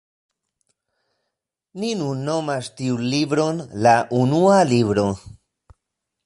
Ni nun nomas tiun libron la Unua Libro.